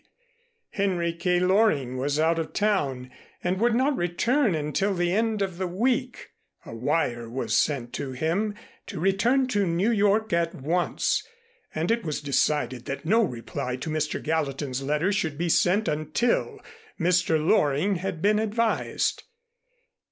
Henry K. Loring was out of town and would not return until the end of the week. A wire was sent to him to return to New York at once, and it was decided that no reply to Mr. Gallatin's letter should be sent until Mr. Loring had been advised.